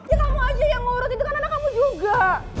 ya kamu aja yang ngurut itu kan anak kamu juga